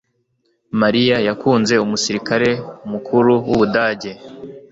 Mariya yakunze umusirikare mukuru w’Ubudage.